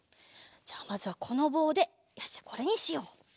じゃまずはこのぼうでよしじゃあこれにしよう。